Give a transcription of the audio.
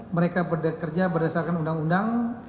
mereka kerja berdasarkan undang undang